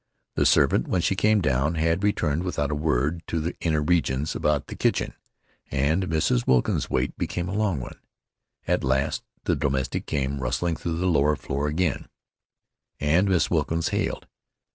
The servant, when she came down, had returned without a word to the inner regions about the kitchen, and Mrs. Wilkins's wait became a long one. At last the domestic came rustling through the lower floor again, and Mrs. Wilkins hailed.